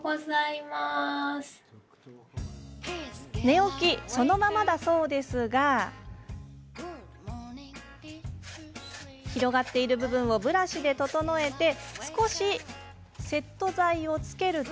寝起きそのままだそうですが広がっている部分をブラシで整えて少しセット剤をつけると。